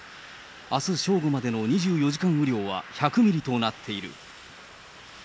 あす正午までの２４時間雨量は１００ミリとなっている。